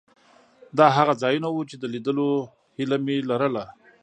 دا هغه ځایونه وو چې د لیدو هیله مې لرله.